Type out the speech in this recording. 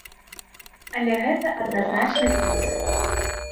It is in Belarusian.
Але гэта адназначны плюс.